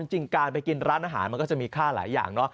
จริงการไปกินร้านอาหารมันก็จะมีค่าหลายอย่างเนอะ